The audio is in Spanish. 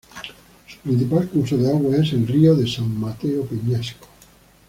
Su principal curso de agua es el río de San Mateo Peñasco.